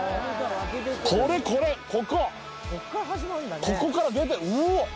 これこれここここから出てるうおっ